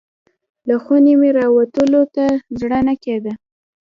له خونې مې راوتلو ته زړه نه کیده.